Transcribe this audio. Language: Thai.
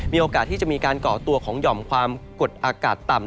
มีโอกาสที่จะมีการก่อตัวของหย่อมความกดอากาศต่ำ